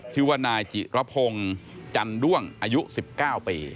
ชีวนายจิระพงจันร่วงอายุ๑๙ปี